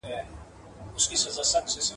غریب سړی ابلک یې سپی !.